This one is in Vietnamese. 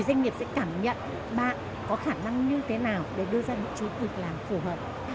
doanh nghiệp sẽ cảm nhận bạn có khả năng như thế nào để đưa ra những chú việc làm phù hợp